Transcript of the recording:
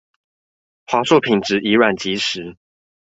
華碩品質以卵擊石